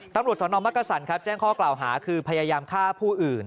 ต้องรวดสนมัฆกสรรแจ้งข้อกล่าวหาคือพยายามฆ่าผู้อื่น